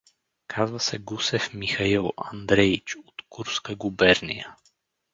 Казва се Гусев Михаил Андреич, от Курска губерния.